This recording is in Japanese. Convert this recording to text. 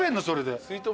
それで。